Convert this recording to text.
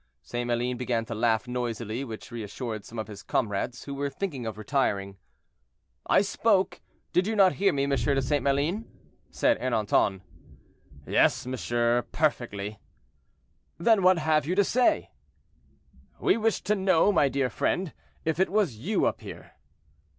St. Maline began to laugh noisily, which reassured some of his comrades, who were thinking of retiring. "I spoke; did you not hear me, M. de St. Maline?" said Ernanton. "Yes, monsieur, perfectly." "Then what have you to say?" "We wished to know, my dear friend, if it was you up here."